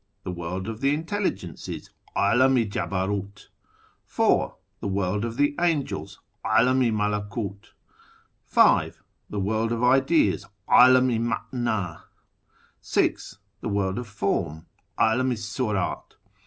The World of the In telligences {'Alam i JabarfU). 4. The World of the Angels (' A lam i MalakM). 5. The World of Ideas (Alam i Ma nu). 6. The World of Form (Alam i HUrat).